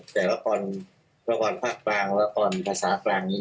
แต่ละครภาคกลางละครภาษากลางนี้